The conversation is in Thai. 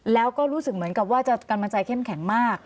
แล้วก็รู้สึกเหมือนกับว่ากำลังใจเข้มแข็งมาก